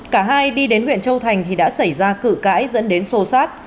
cả hai đi đến huyện châu thành thì đã xảy ra cử cãi dẫn đến sô sát